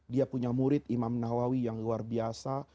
dia punya murid imam nawawi yang luar biasa